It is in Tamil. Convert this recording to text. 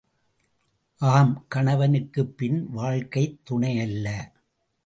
ஆம் கணவனுக்குப் பின் வாழ்க்கைத் துணையல்ல.